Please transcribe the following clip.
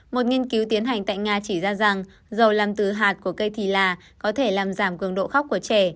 một nghiên cứu tiến hành tại nga chỉ ra rằng dầu làm từ hạt của cây thì là có thể làm giảm cường độ khóc của trẻ